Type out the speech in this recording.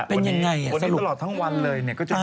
เป็นยังไงอ่ะสรุปตลอดทั้งวันเลยเนี่ยก็จะหาวเลย